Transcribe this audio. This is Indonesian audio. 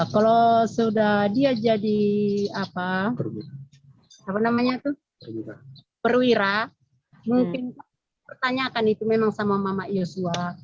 kalau sudah dia jadi perwira mungkin pertanyakan itu memang sama mama yosua